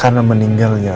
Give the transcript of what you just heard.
karena meninggalnya roy